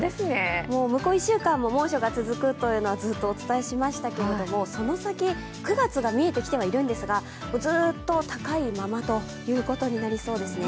向こう１週間も猛暑が続くというのはお伝えしましたけど、その先、９月が見えてきてはいるんですが、ずっと高いままということになりそうですね。